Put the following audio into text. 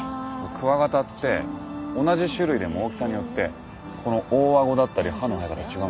クワガタって同じ種類でも大きさによってこの大顎だったり歯の生え方違うんですよ。